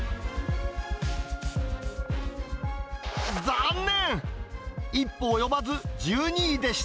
残念！